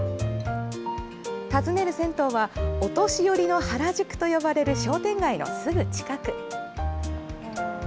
訪ねる銭湯はお年寄りの原宿と呼ばれる商店街のすぐ近く。